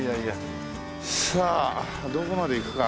さあどこまで行くか。